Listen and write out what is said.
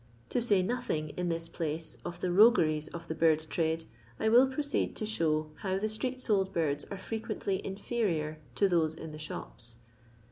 To say nothing, in this place, of the rogueries of the bird trade, I will proceed to show how the street sold birds are frequently inferior to those in the shops.